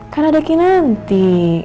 kan ada kinanti